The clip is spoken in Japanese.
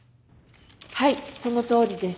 はいそのとおりです。